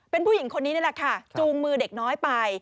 เป็นผู้หญิงคนนี้นี่แหละค่ะจูงมือเด็กน้อยไป